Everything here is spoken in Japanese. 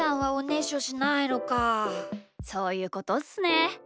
そういうことっすね。